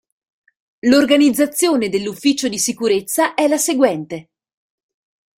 L'organizzazione dell'Ufficio di sicurezza è la seguente.